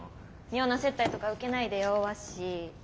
妙な接待とか受けないでよワッシー。